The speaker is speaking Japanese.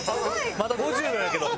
まだ５０秒やけど。